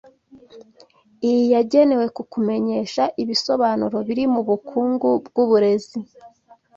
Iyi yagenewe kukumenyesha ibisobanuro biri mubukungu bwuburezi